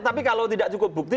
tapi kalau tidak cukup bukti